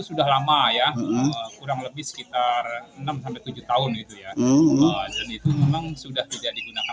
sudah lama ya kurang lebih sekitar enam tujuh tahun itu ya dan itu memang sudah tidak digunakan